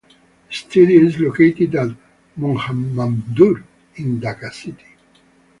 The studio is located at Mohammadpur in Dhaka city.